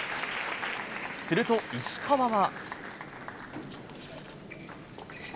すると、石川は。